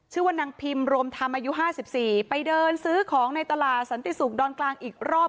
ชื่อว่านางพิมรวมธรรมอายุ๕๔ไปเดินซื้อของในตลาดสันติศุกร์ดอนกลางอีกรอบ